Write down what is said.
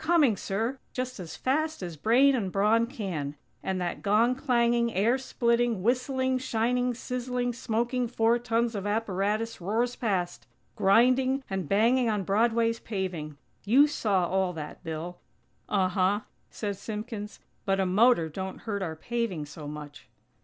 Coming, sir!! Just as fast as brain and brawn can! And that gong clanging, air splitting, whistling, shining, sizzling, smoking four tons of apparatus roars past, grinding and banging on Broadway's paving! You saw all that, Bill." "Uh huh," said Simpkins, "but a motor don't hurt our paving so much."